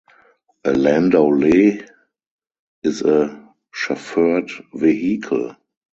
A landaulet is a chauffeured vehicle.